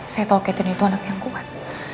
saya tahu catherine itu anak yang kuat